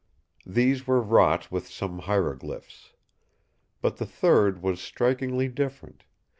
These were wrought with some hieroglyphs. But the third was strikingly different.